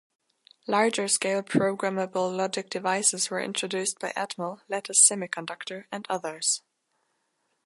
Larger-scale programmable logic devices were introduced by Atmel, Lattice Semiconductor, and others.